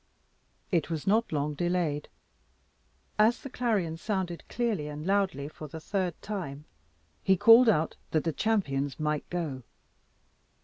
It was not long delayed. As the clarion sounded clearly and loudly for the third time, he called out that the champions might go.